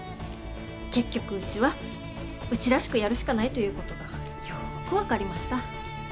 結局うちはうちらしくやるしかないということがよく分かりました。